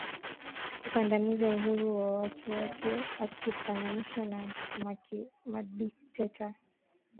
Kukandamiza uhuru wa watu wake akifananishwa na madikteta